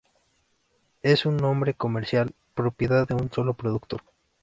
Es un nombre comercial, propiedad de un solo productor.